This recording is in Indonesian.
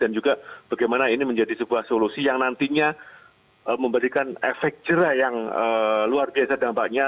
dan juga bagaimana ini menjadi sebuah solusi yang nantinya memberikan efek cerah yang luar biasa dampaknya